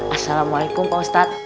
assalamualaikum pak ustadz